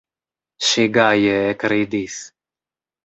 Ŝi gaje ekridis.